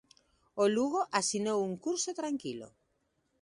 O Lugo asinou un curso tranquilo.